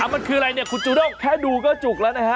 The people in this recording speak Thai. มันคืออะไรเนี่ยคุณจูด้งแค่ดูก็จุกแล้วนะฮะ